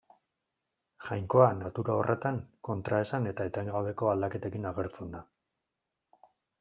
Jainkoa natura horretan kontraesan eta etengabeko aldaketekin agertzen da.